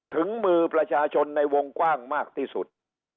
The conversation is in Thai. ถึงมือประชาชนในวงกว้างมากที่สุด